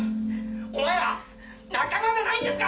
お前ら仲間じゃないんですか！？」。